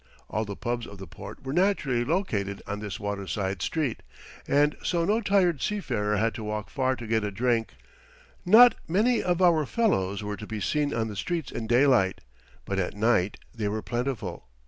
All the pubs of the port were naturally located on this waterside street, and so no tired seafarer had to walk far to get a drink. Not many of our fellows were to be seen on the streets in daylight; but at night they were plentiful.